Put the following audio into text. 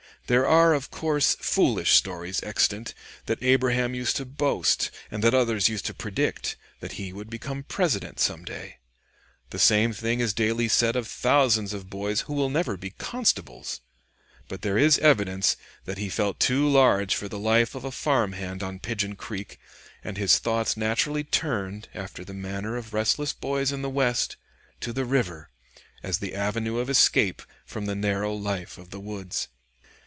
There are, of course, foolish stories extant that Abraham used to boast, and that others used to predict, that he would be President some day. The same thing is daily said of thousands of boys who will never be constables. But there is evidence that he felt too large for the life of a farmhand on Pigeon Creek, and his thoughts naturally turned, after the manner of restless boys in the West, to the river, as the avenue of escape from the narrow life of the woods.